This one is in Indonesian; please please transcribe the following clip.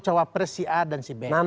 cawapres si a dan si b